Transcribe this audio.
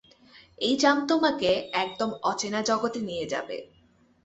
এই জাম তোমাকে একদম অচেনা জগতে নিয়ে যাবে।